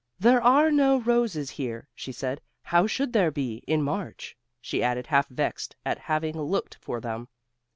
"There are no roses here," she said. "How should there be, in March?" she added, half vexed at having looked for them.